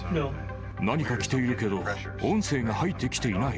何か来ているけど、音声が入ってきていない。